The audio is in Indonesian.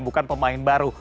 bukan pemain baru